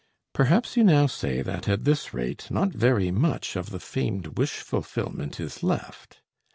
Perhaps you now say that at this rate, not very much of the famed wish fulfillment is left.